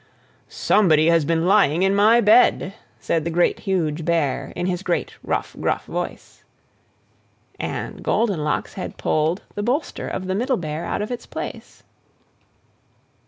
"SOMEBODY HAS BEEN LYING IN MY BED!" said the Great, Huge Bear, in his great, rough, gruff voice. And Goldenlocks had pulled the bolster of the Middle Bear out of its place.